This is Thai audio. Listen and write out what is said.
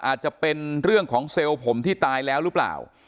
อาจจะเป็นเรื่องของเซลล์ผมที่ตายแล้วหรือเปล่า